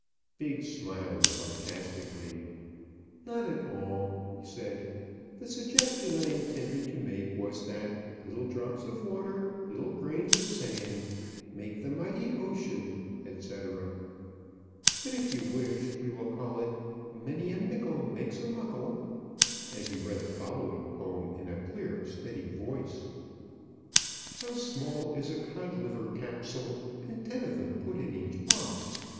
Biggs smiled sarcastically. "Not at all," he said. "The suggestion I intended to make was that 'Little drops of water, Little grains of sand, Make the mighty ocean,' etc. But if you wish, we will call it 'Many a Mickle makes a Muckle';" and he read the following poem in a clear, steady voice: "How small is a Codliver Capsule, And ten of them put in each box!